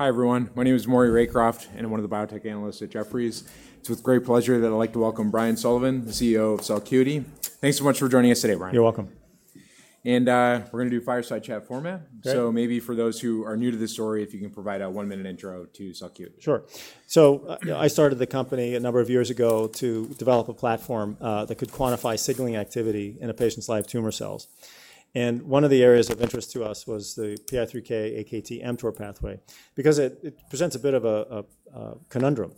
Hi everyone. My name is Maury Raycroft, and I'm one of the biotech analysts at Jefferies. It's with great pleasure that I'd like to welcome Brian Sullivan, the CEO of Celcuity. Thanks so much for joining us today, Brian. You're welcome. We're going to do fireside chat format. Maybe for those who are new to this story, if you can provide a one-minute intro to Celcuity. Sure. So I started the company a number of years ago to develop a platform that could quantify signaling activity in a patient's live tumor cells. And one of the areas of interest to us was the PI3K/AKT/mTOR pathway because it presents a bit of a conundrum.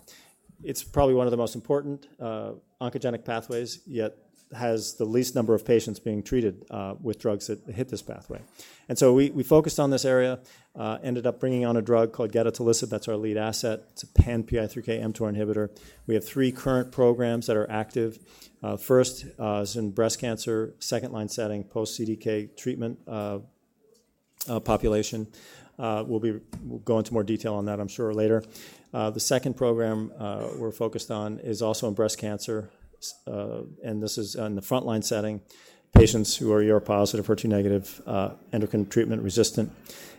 It's probably one of the most important oncogenic pathways, yet has the least number of patients being treated with drugs that hit this pathway. And so we focused on this area, ended up bringing on a drug called gedatolisib. That's our lead asset. It's a pan-PI3K/mTOR inhibitor. We have three current programs that are active. First is in breast cancer, second-line setting, post-CDK treatment population. We'll go into more detail on that, I'm sure, later. The second program we're focused on is also in breast cancer. And this is in the front-line setting, patients who are HR-positive, HER2-negative, endocrine treatment resistant.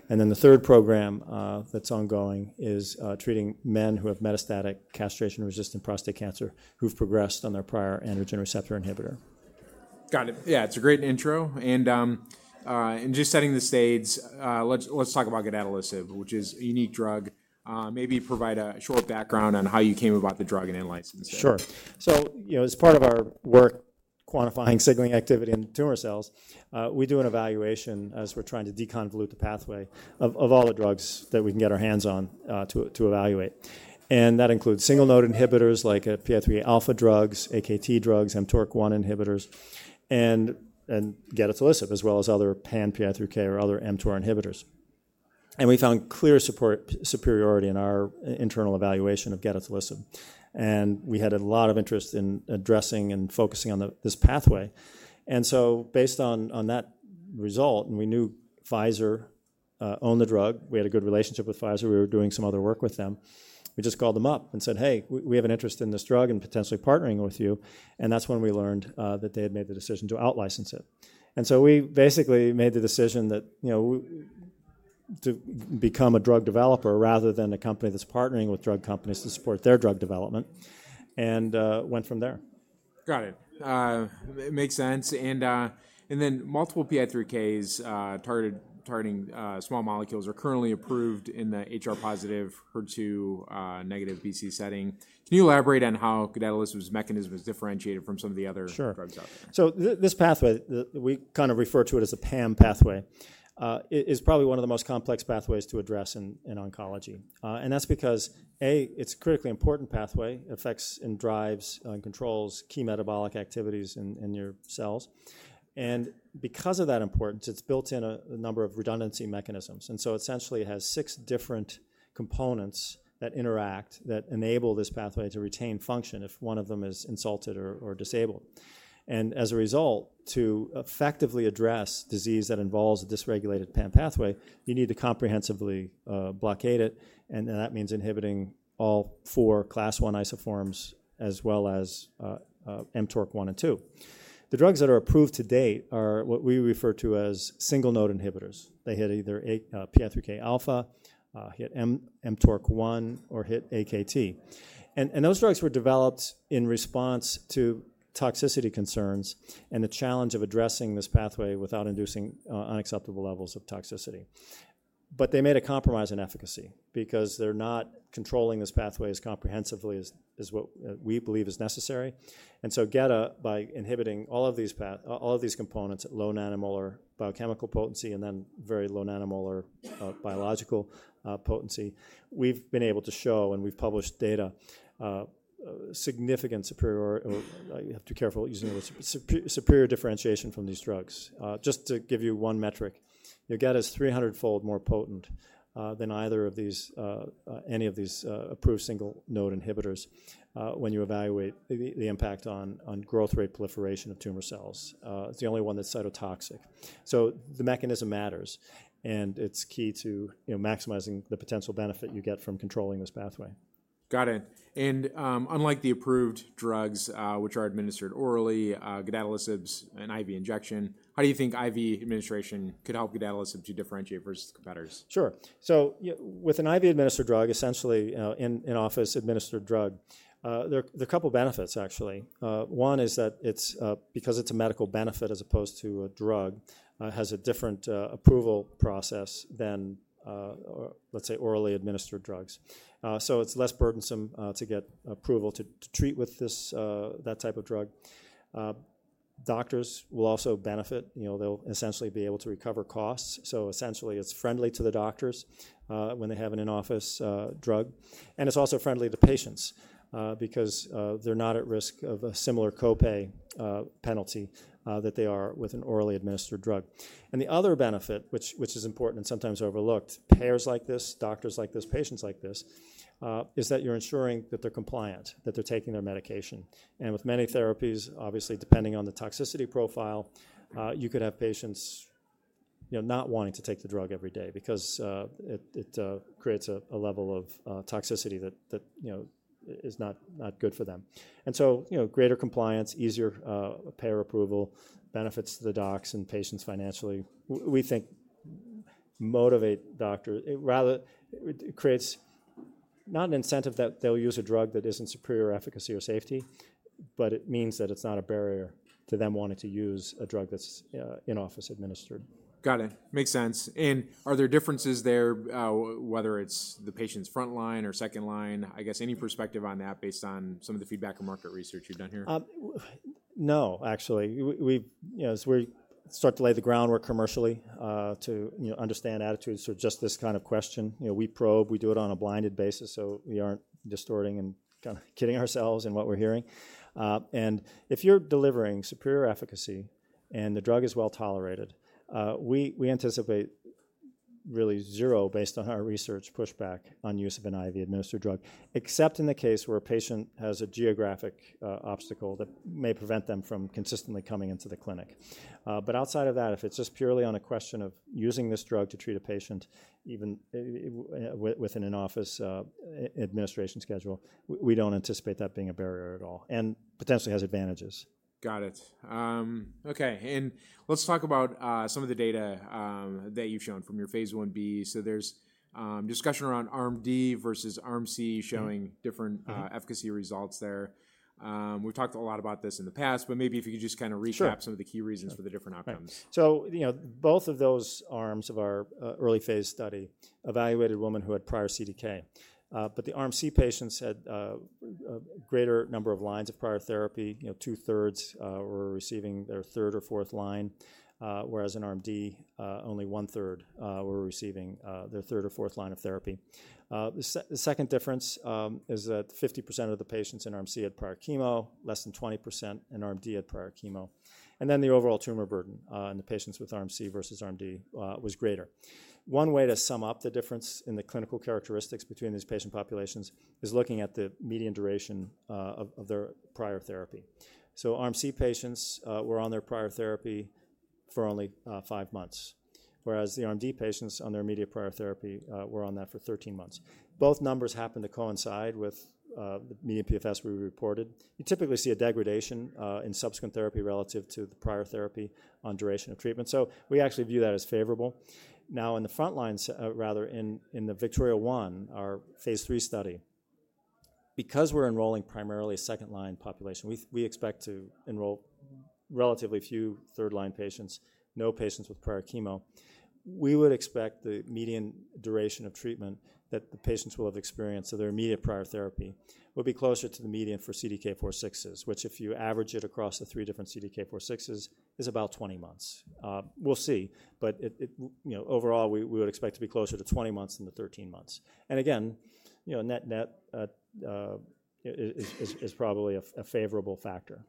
And then the third program that's ongoing is treating men who have metastatic castration-resistant prostate cancer who've progressed on their prior androgen receptor inhibitor. Got it. Yeah, it's a great intro. And just setting the stage, let's talk about gedatolisib, which is a unique drug. Maybe provide a short background on how you came about the drug and in-licensing. Sure. So as part of our work quantifying signaling activity in tumor cells, we do an evaluation as we're trying to deconvolute the pathway of all the drugs that we can get our hands on to evaluate. And that includes single node inhibitors like PI3K/alpha drugs, AKT drugs, mTORC1 inhibitors, and gedatolisib, as well as other pan-PI3K or other mTOR inhibitors. And we found clear superiority in our internal evaluation of gedatolisib. And we had a lot of interest in addressing and focusing on this pathway. And so based on that result, and we knew Pfizer owned the drug, we had a good relationship with Pfizer. We were doing some other work with them. We just called them up and said, "Hey, we have an interest in this drug and potentially partnering with you." And that's when we learned that they had made the decision to out-license it. And so we basically made the decision to become a drug developer rather than a company that's partnering with drug companies to support their drug development, and went from there. Got it. Makes sense. And then multiple PI3Ks targeting small molecules are currently approved in the HR-positive, HER2-negative BC setting. Can you elaborate on how gedatolisib's mechanism is differentiated from some of the other drugs out there? This pathway, we kind of refer to it as a PAM pathway, is probably one of the most complex pathways to address in oncology. That's because, A, it's a critically important pathway. It affects and drives and controls key metabolic activities in your cells. Because of that importance, it's built in a number of redundancy mechanisms. Essentially it has six different components that interact that enable this pathway to retain function if one of them is insulted or disabled. As a result, to effectively address disease that involves a dysregulated PAM pathway, you need to comprehensively blockade it. That means inhibiting all four Class I isoforms, as well as mTORC1 and mTORC2. The drugs that are approved to date are what we refer to as single node inhibitors. They hit either PI3K/alpha, hit mTORC1, or hit AKT. And those drugs were developed in response to toxicity concerns and the challenge of addressing this pathway without inducing unacceptable levels of toxicity. But they made a compromise in efficacy because they're not controlling this pathway as comprehensively as what we believe is necessary. And so Geda, by inhibiting all of these components at low nanomolar biochemical potency and then very low nanomolar biological potency, we've been able to show, and we've published data, significant superiority (be careful using the words) superior differentiation from these drugs. Just to give you one metric, Geda is 300-fold more potent than either of these, any of these approved single node inhibitors when you evaluate the impact on growth rate proliferation of tumor cells. It's the only one that's cytotoxic. So the mechanism matters, and it's key to maximizing the potential benefit you get from controlling this pathway. Got it. And unlike the approved drugs, which are administered orally, gedatolisib's an IV injection, how do you think IV administration could help gedatolisib to differentiate versus competitors? Sure. So with an IV-administered drug, essentially an in-office administered drug, there are a couple of benefits, actually. One is that because it's a medical benefit as opposed to a drug, it has a different approval process than, let's say, orally administered drugs. So it's less burdensome to get approval to treat with that type of drug. Doctors will also benefit. They'll essentially be able to recover costs. So essentially, it's friendly to the doctors when they have an in-office drug. And it's also friendly to patients because they're not at risk of a similar copay penalty that they are with an orally administered drug. And the other benefit, which is important and sometimes overlooked, payers like this, doctors like this, patients like this, is that you're ensuring that they're compliant, that they're taking their medication. And with many therapies, obviously, depending on the toxicity profile, you could have patients not wanting to take the drug every day because it creates a level of toxicity that is not good for them. And so greater compliance, easier payer approval, benefits to the docs and patients financially, we think, motivate doctors. Rather, it creates not an incentive that they'll use a drug that isn't superior efficacy or safety, but it means that it's not a barrier to them wanting to use a drug that's in-office administered. Got it. Makes sense. And are there differences there, whether it's the patient's front line or second line? I guess any perspective on that based on some of the feedback and market research you've done here? No, actually. As we start to lay the groundwork commercially to understand attitudes to just this kind of question, we probe, we do it on a blinded basis so we aren't distorting and kind of kidding ourselves in what we're hearing, and if you're delivering superior efficacy and the drug is well tolerated, we anticipate really zero based on our research pushback on use of an IV-administered drug, except in the case where a patient has a geographic obstacle that may prevent them from consistently coming into the clinic, but outside of that, if it's just purely on a question of using this drug to treat a patient even with an in-office administration schedule, we don't anticipate that being a barrier at all and potentially has advantages. Got it. Okay. And let's talk about some of the data that you've shown from your phase 1b. So there's discussion around arm D versus Arm C showing different efficacy results there. We've talked a lot about this in the past, but maybe if you could just kind of recap some of the key reasons for the different outcomes. So both of those arms of our early phase study evaluated a woman who had prior CDK. But the Arm C patients had a greater number of lines of prior therapy. Two-thirds were receiving their third or fourth line, whereas in Arm D, only one-third were receiving their third or fourth line of therapy. The second difference is that 50% of the patients in Arm C had prior chemo, less than 20% in Arm D had prior chemo. And then the overall tumor burden in the patients with Arm C versus Arm D was greater. One way to sum up the difference in the clinical characteristics between these patient populations is looking at the median duration of their prior therapy. So Arm C patients were on their prior therapy for only five months, whereas the Arm D patients on their immediate prior therapy were on that for 13 months. Both numbers happen to coincide with the median PFS we reported. You typically see a degradation in subsequent therapy relative to the prior therapy on duration of treatment. So we actually view that as favorable. Now, in the front lines, rather, in the VIKTORIA-1, our phase 3 study, because we're enrolling primarily a second-line population, we expect to enroll relatively few third-line patients, no patients with prior chemo. We would expect the median duration of treatment that the patients will have experienced of their immediate prior therapy would be closer to the median for CDK4/6s, which if you average it across the three different CDK4/6s, is about 20 months. We'll see. But overall, we would expect to be closer to 20 months than the 13 months. And again, net-net is probably a favorable factor.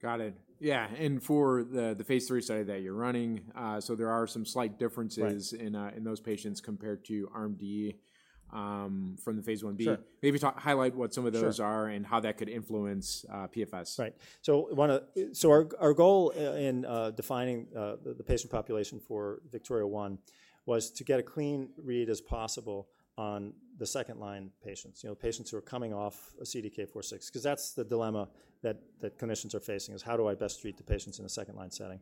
Got it. Yeah, and for the phase 3 study that you're running, so there are some slight differences in those patients compared to ARMD from the phase 1b. Maybe highlight what some of those are and how that could influence PFS. Right, so our goal in defining the patient population for VIKTORIA-1 was to get as clean a read as possible on the second-line patients, patients who are coming off a CDK4/6, because that's the dilemma that clinicians are facing: how do I best treat the patients in a second-line setting,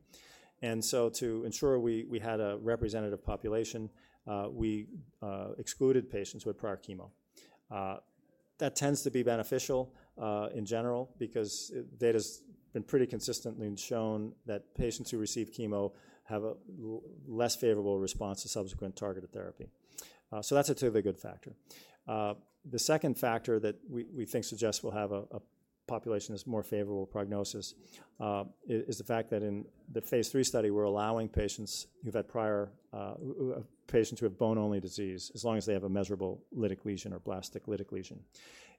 and so to ensure we had a representative population, we excluded patients who had prior chemo. That tends to be beneficial in general because data has been pretty consistently shown that patients who receive chemo have a less favorable response to subsequent targeted therapy, so that's a typically good factor. The second factor that we think suggests we'll have a population that's more favorable prognosis is the fact that in the phase 3 study, we're allowing patients who have bone-only disease as long as they have a measurable lytic lesion or blastic lesion.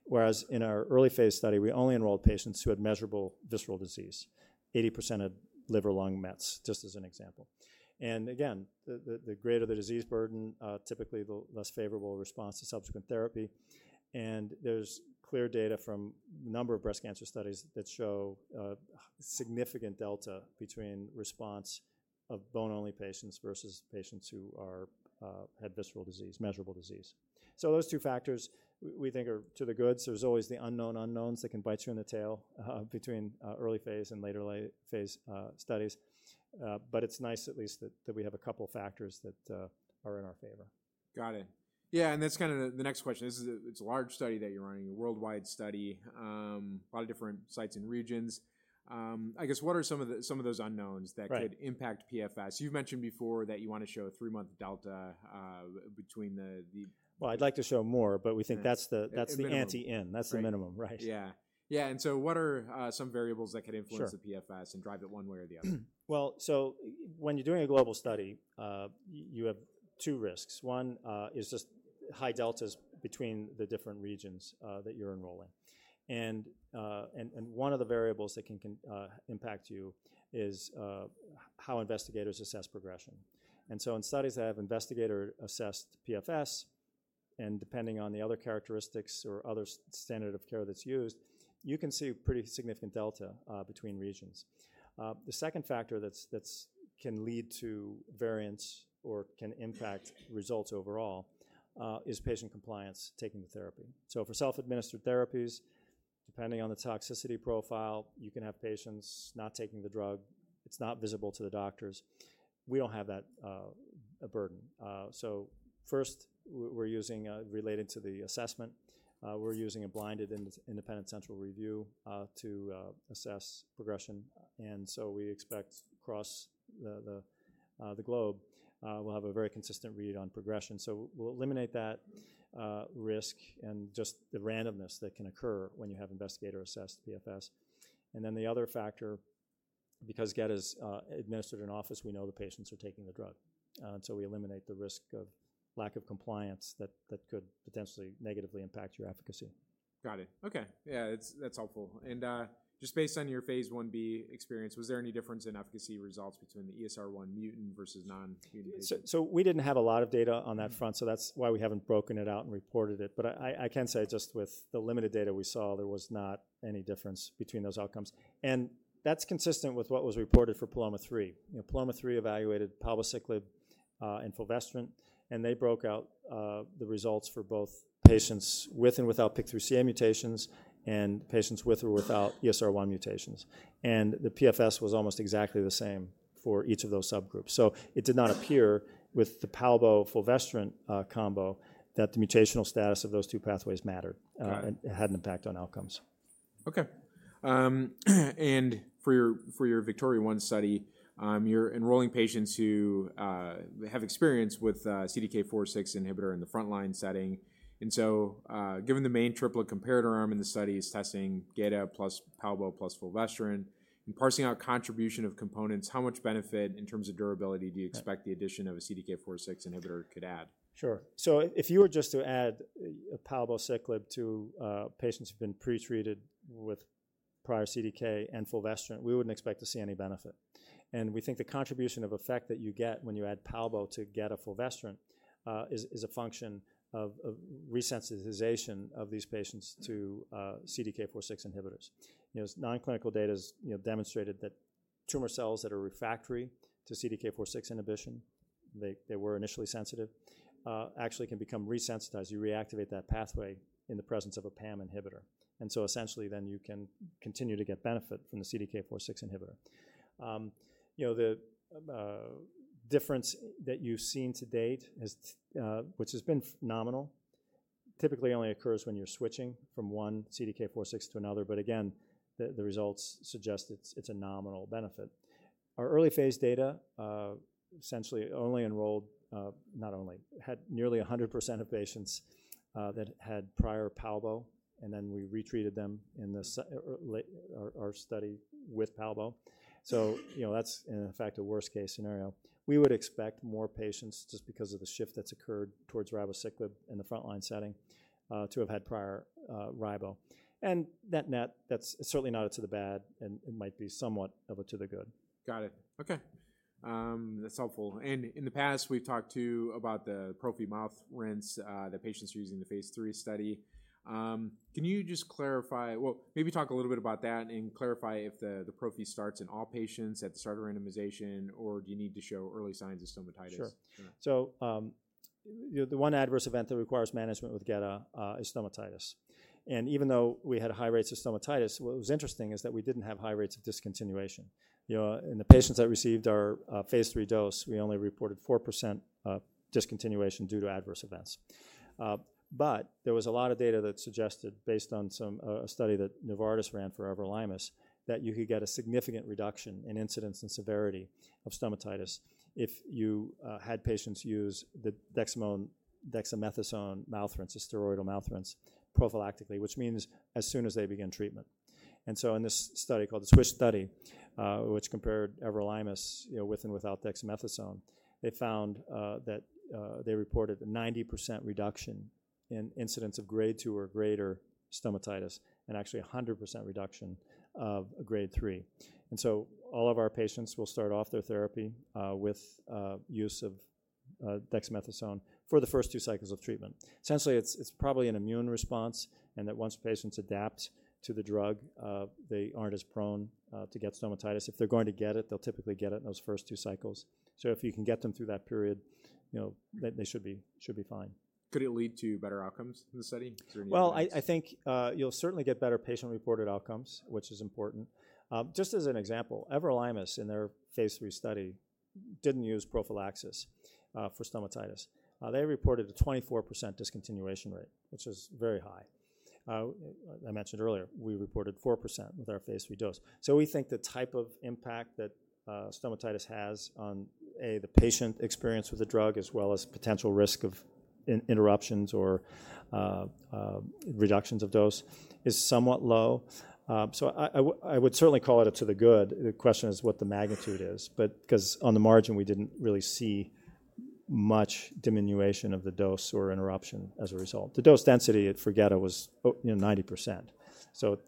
Whereas in our early phase study, we only enrolled patients who had measurable visceral disease, 80% of liver-lung mets, just as an example. And again, the greater the disease burden, typically the less favorable response to subsequent therapy. And there's clear data from a number of breast cancer studies that show significant delta between response of bone-only patients versus patients who had visceral disease, measurable disease. So those two factors we think are to the goods. There's always the unknown unknowns that can bite you in the tail between early phase and later phase studies. But it's nice at least that we have a couple of factors that are in our favor. Got it. Yeah. And that's kind of the next question. It's a large study that you're running, a worldwide study, a lot of different sites and regions. I guess what are some of those unknowns that could impact PFS? You've mentioned before that you want to show a three-month delta between the. I'd like to show more, but we think that's the endpoint. That's the minimum, right? What are some variables that could influence the PFS and drive it one way or the other? Well, so when you're doing a global study, you have two risks. One is just high deltas between the different regions that you're enrolling. And one of the variables that can impact you is how investigators assess progression. And so in studies that have investigator-assessed PFS, and depending on the other characteristics or other standard of care that's used, you can see pretty significant delta between regions. The second factor that can lead to variance or can impact results overall is patient compliance taking the therapy. So for self-administered therapies, depending on the toxicity profile, you can have patients not taking the drug. It's not visible to the doctors. We don't have that burden. So first, relating to the assessment, we're using a blinded independent central review to assess progression. And so we expect across the globe, we'll have a very consistent read on progression. We'll eliminate that risk and just the randomness that can occur when you have investigator-assessed PFS. And then the other factor, because gedatolisib is administered in office, we know the patients are taking the drug. And so we eliminate the risk of lack of compliance that could potentially negatively impact your efficacy. Got it. Okay. Yeah. That's helpful. And just based on your phase 1B experience, was there any difference in efficacy results between the ESR1 mutant versus non-mutant? So we didn't have a lot of data on that front, so that's why we haven't broken it out and reported it, but I can say just with the limited data we saw, there was not any difference between those outcomes, and that's consistent with what was reported for PALOMA-3. PALOMA-3 evaluated palbociclib and fulvestrant, and they broke out the results for both patients with and without PIK3CA mutations and patients with or without ESR1 mutations, and the PFS was almost exactly the same for each of those subgroups, so it did not appear with the palbo-fulvestrant combo that the mutational status of those two pathways mattered and had an impact on outcomes. Okay. And for your VIKTORIA-1 study, you're enrolling patients who have experience with CDK4/6 inhibitor in the front line setting. And so given the main triplet comparator arm in the study is testing Geda plus palbo plus fulvestrant, in parsing out contribution of components, how much benefit in terms of durability do you expect the addition of a CDK4/6 inhibitor could add? Sure. So if you were just to add palbociclib to patients who've been pretreated with prior CDK and fulvestrant, we wouldn't expect to see any benefit. And we think the contribution of effect that you get when you add palbo to gedatolisib fulvestrant is a function of resensitization of these patients to CDK4/6 inhibitors. Non-clinical data has demonstrated that tumor cells that are refractory to CDK4/6 inhibition, they were initially sensitive, actually can become resensitized. You reactivate that pathway in the presence of a PAM inhibitor. And so essentially, then you can continue to get benefit from the CDK4/6 inhibitor. The difference that you've seen to date, which has been nominal, typically only occurs when you're switching from one CDK4/6 to another. But again, the results suggest it's a nominal benefit. Our early phase data essentially only enrolled had nearly 100% of patients that had prior palbo, and then we retreated them in our study with palbo, so that's, in fact, a worst-case scenario. We would expect more patients just because of the shift that's occurred towards ribociclib in the front line setting to have had prior ribo, and net-net, that's certainly not all to the bad, and it might be somewhat to the good. Got it. Okay. That's helpful. And in the past, we've talked too about the prophy mouth rinse that patients are using in the phase 3 study. Can you just clarify, well, maybe talk a little bit about that and clarify if the prophy starts in all patients at the start of randomization, or do you need to show early signs of stomatitis? Sure, so the one adverse event that requires management with geda is stomatitis, even though we had high rates of stomatitis, what was interesting is that we didn't have high rates of discontinuation. In the patients that received our phase 3 dose, we only reported 4% discontinuation due to adverse events, but there was a lot of data that suggested, based on a study that Novartis ran for everolimus, that you could get a significant reduction in incidence and severity of stomatitis if you had patients use the dexamethasone mouth rinse, the steroidal mouth rinse, prophylactically, which means as soon as they begin treatment, and so in this study called the SWISH study, which compared everolimus with and without dexamethasone, they found that they reported a 90% reduction in incidence of grade 2 or greater stomatitis and actually 100% reduction of grade 3. And so all of our patients will start off their therapy with use of dexamethasone for the first two cycles of treatment. Essentially, it's probably an immune response and that once patients adapt to the drug, they aren't as prone to get stomatitis. If they're going to get it, they'll typically get it in those first two cycles. So if you can get them through that period, they should be fine. Could it lead to better outcomes in the study? I think you'll certainly get better patient-reported outcomes, which is important. Just as an example, everolimus in their phase 3 study didn't use prophylaxis for stomatitis. They reported a 24% discontinuation rate, which is very high. I mentioned earlier, we reported 4% with our phase 3 dose. So we think the type of impact that stomatitis has on, A, the patient experience with the drug, as well as potential risk of interruptions or reductions of dose, is somewhat low. So I would certainly call it a to the good. The question is what the magnitude is, because on the margin, we didn't really see much diminution of the dose or interruption as a result. The dose density for Geda was 90%. So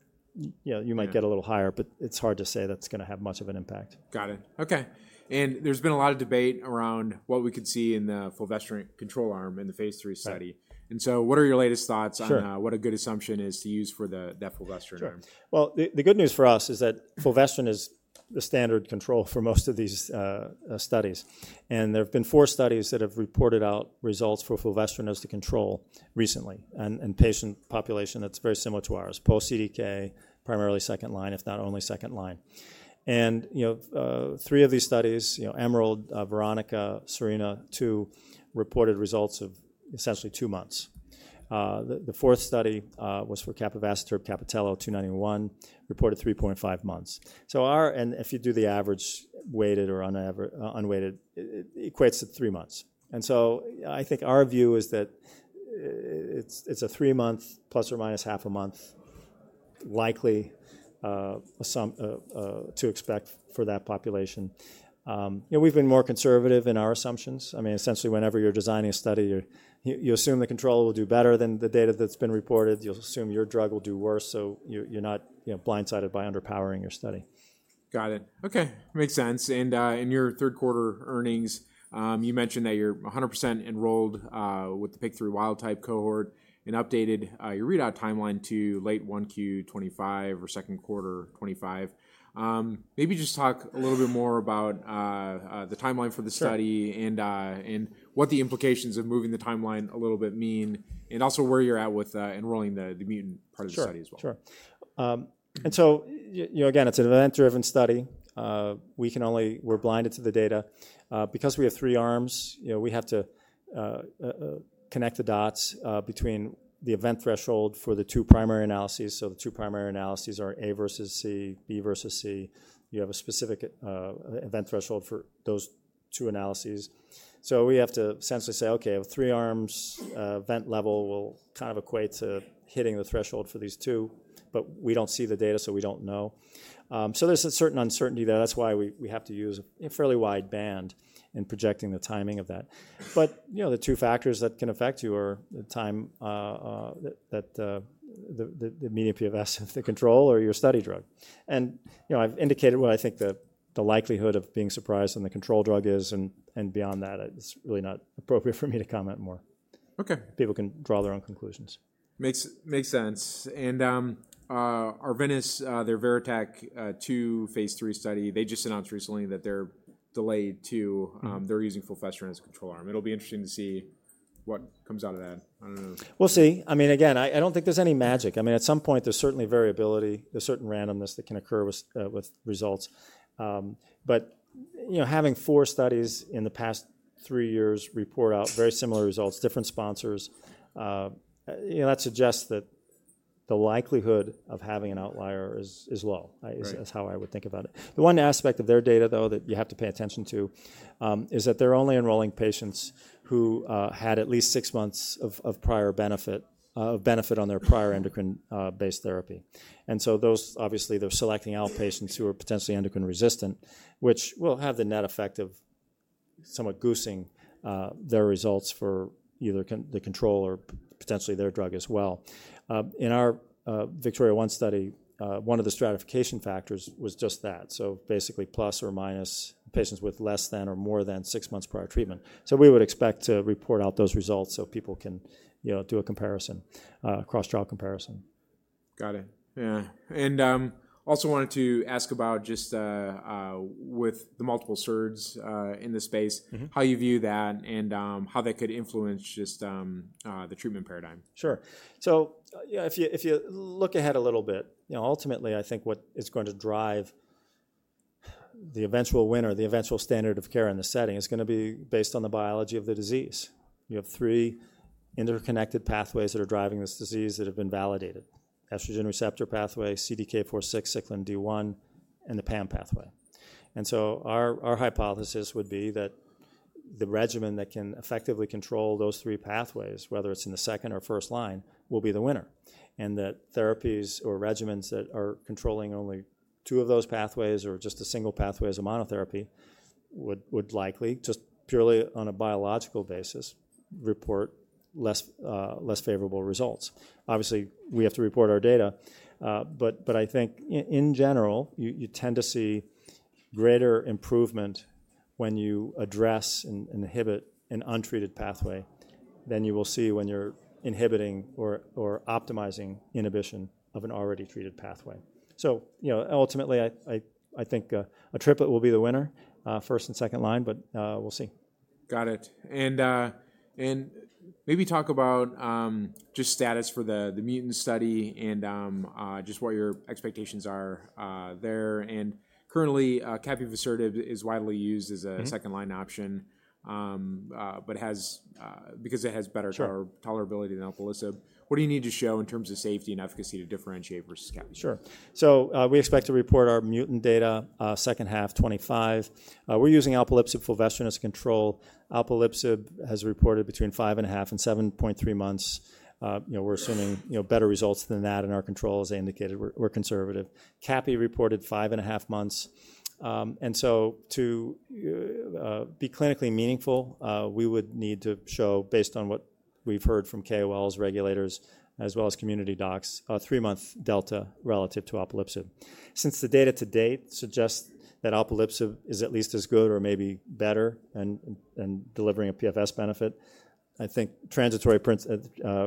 you might get a little higher, but it's hard to say that's going to have much of an impact. Got it. Okay. And there's been a lot of debate around what we could see in the fulvestrant control arm in the phase 3 study. And so what are your latest thoughts on what a good assumption is to use for the fulvestrant? Sure. Well, the good news for us is that fulvestrant is the standard control for most of these studies. And there have been four studies that have reported out results for fulvestrant as the control recently in a patient population that's very similar to ours, post-CDK, primarily second line, if not only second line. And three of these studies, EMERALD, VERONICA, SERENA-2, reported results of essentially two months. The fourth study was for CAPItello-291, reported 3.5 months. And if you do the average weighted or unweighted, it equates to three months. And so I think our view is that it's a three-month plus or minus half a month likely to expect for that population. We've been more conservative in our assumptions. I mean, essentially, whenever you're designing a study, you assume the control will do better than the data that's been reported. You'll assume your drug will do worse, so you're not blindsided by underpowering your study. Got it. Okay. Makes sense. And in your third quarter earnings, you mentioned that you're 100% enrolled with the PIK3CA wild type cohort and updated your readout timeline to late 1Q 2025 or second quarter 2025. Maybe just talk a little bit more about the timeline for the study and what the implications of moving the timeline a little bit mean and also where you're at with enrolling the mutant part of the study as well? Sure. And so again, it's an event-driven study. We're blinded to the data. Because we have three arms, we have to connect the dots between the event threshold for the two primary analyses. So the two primary analyses are A versus C, B versus C. You have a specific event threshold for those two analyses. So we have to essentially say, okay, three arms event level will kind of equate to hitting the threshold for these two, but we don't see the data, so we don't know. So there's a certain uncertainty there. That's why we have to use a fairly wide band in projecting the timing of that. But the two factors that can affect you are the time that the median PFS of the control or your study drug. I've indicated what I think the likelihood of being surprised on the control drug is, and beyond that, it's really not appropriate for me to comment more. People can draw their own conclusions. Makes sense. And Arvinas, their VERITAC-2 phase 3 study, they just announced recently that they're delayed, too. They're using fulvestrant as a control arm. It'll be interesting to see what comes out of that. I don't know. We'll see. I mean, again, I don't think there's any magic. I mean, at some point, there's certainly variability. There's certain randomness that can occur with results. But having four studies in the past three years report out very similar results, different sponsors, that suggests that the likelihood of having an outlier is low is how I would think about it. The one aspect of their data, though, that you have to pay attention to is that they're only enrolling patients who had at least six months of prior benefit on their prior endocrine-based therapy. And so those, obviously, they're selecting out patients who are potentially endocrine resistant, which will have the net effect of somewhat goosing their results for either the control or potentially their drug as well. In our VIKTORIA-1 study, one of the stratification factors was just that. So, basically, plus or minus patients with less than or more than six months prior treatment. So, we would expect to report out those results so people can do a comparison, cross-trial comparison. Got it. Yeah. And also wanted to ask about just with the multiple SERDs in this space, how you view that and how that could influence just the treatment paradigm? Sure. So if you look ahead a little bit, ultimately, I think what is going to drive the eventual winner, the eventual standard of care in the setting is going to be based on the biology of the disease. You have three interconnected pathways that are driving this disease that have been validated: estrogen receptor pathway, CDK4/6, cyclin D1, and the PAM pathway. And so our hypothesis would be that the regimen that can effectively control those three pathways, whether it's in the second or first line, will be the winner. And that therapies or regimens that are controlling only two of those pathways or just a single pathway as a monotherapy would likely, just purely on a biological basis, report less favorable results. Obviously, we have to report our data. But I think, in general, you tend to see greater improvement when you address and inhibit an untreated pathway than you will see when you're inhibiting or optimizing inhibition of an already treated pathway. So ultimately, I think a triplet will be the winner, first and second line, but we'll see. Got it. And maybe talk about just status for the mutant study and just what your expectations are there. And currently, capivasertib is widely used as a second line option because it has better tolerability than alpelisib. What do you need to show in terms of safety and efficacy to differentiate versus capivasertib? Sure. So we expect to report our mutant data second half, 2025. We're using alpelisib, fulvestrant as a control. Alpelisib has reported between 5.5 and 7.3 months. We're assuming better results than that in our control, as I indicated. We're conservative. Capivasertib reported 5.5 months. To be clinically meaningful, we would need to show, based on what we've heard from KOLs, regulators, as well as community docs, a three-month delta relative to alpelisib. Since the data to date suggests that alpelisib is at least as good or maybe better in delivering a PFS benefit, I think the transitivity principle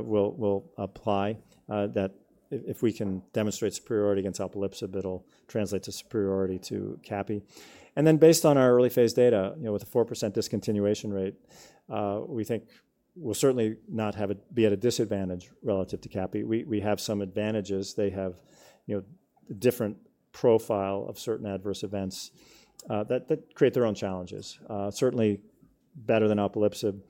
will apply that if we can demonstrate superiority against alpelisib, it'll translate to superiority to capivasertib. Based on our early phase data, with a 4% discontinuation rate, we think we'll certainly not be at a disadvantage relative to capivasertib. We have some advantages. They have a different profile of certain adverse events that create their own challenges. Certainly better than alpelisib,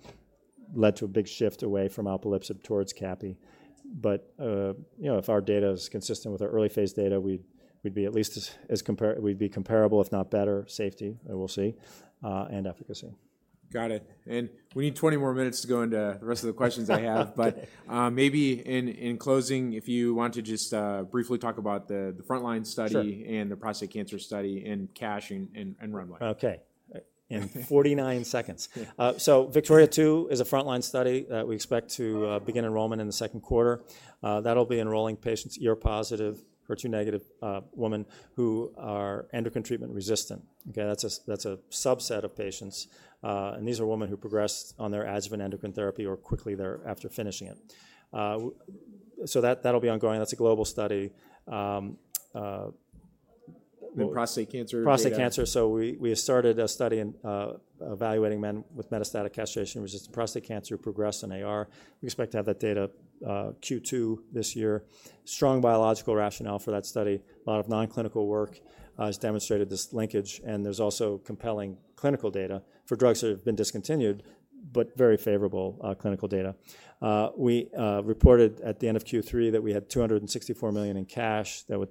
led to a big shift away from alpelisib towards capivasertib. But if our data is consistent with our early phase data, we'd be at least as comparable, if not better, safety, and we'll see, and efficacy. Got it. And we need 20 more minutes to go into the rest of the questions I have. But maybe in closing, if you want to just briefly talk about the front line study and the prostate cancer study and cash and runway. Okay. In 49 seconds. VIKTORIA-2 is a front-line study that we expect to begin enrollment in the second quarter. That'll be enrolling HR-positive, HER2-negative women who are endocrine treatment resistant. Okay? That's a subset of patients. These are women who progressed on their adjuvant endocrine therapy or quickly thereafter finishing it. So that'll be ongoing. That's a global study. Prostate cancer. Prostate cancer. So we started a study evaluating men with metastatic castration-resistant prostate cancer who progressed on AR. We expect to have that data Q2 this year. Strong biological rationale for that study. A lot of nonclinical work has demonstrated this linkage. And there's also compelling clinical data for drugs that have been discontinued, but very favorable clinical data. We reported at the end of Q3 that we had $264 million in cash that.